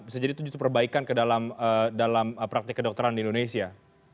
bisa jadi perbaikan dalam praktik kedokteran di indonesia